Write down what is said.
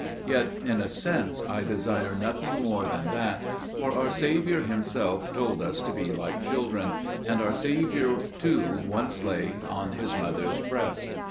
Yet, in a sense, I desire nothing more than that, for our Saviour Himself told us to be like children, and our Saviour too once lay on His Mother's breast.